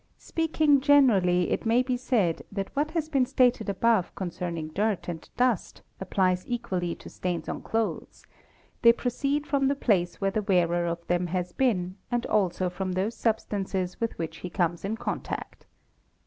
Speaking generally it may be said that what has been stated above "concerning dirt and dust applies equally to stains on clothes: they "proceed from the place where the wearer of them has been and also from those substances with which he comes in contact.